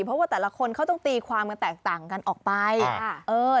เพราะว่าแต่ละคนเขาต้องตีความต่างกันออกไป